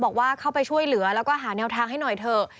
บอกว่าเข้าไปช่วยเหลือแล้วก็หาแนวทางให้หน่อยเถอะ